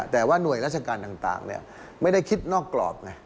แต่ว่าหน่วยราชการต่างไม่ได้คิดนอกกรอบไง